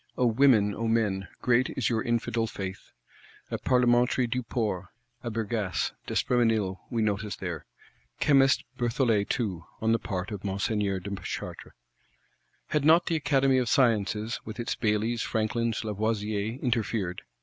O women, O men, great is your infidel faith! A Parlementary Duport, a Bergasse, D'Espréménil we notice there; Chemist Berthollet too,—on the part of Monseigneur de Chartres. Had not the Academy of Sciences, with its Baillys, Franklins, Lavoisiers, interfered!